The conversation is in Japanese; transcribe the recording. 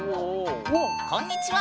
こんにちは！